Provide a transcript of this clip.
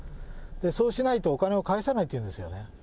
そうしないとお金を返さないというんですよね。